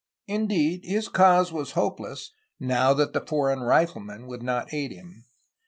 Indeed, his cause was hopeless, now that the foreign riflemen would not aid him.